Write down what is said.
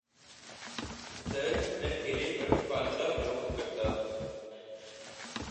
سر میں ٹھیلے پر فالودہ فروخت کرتا ہوں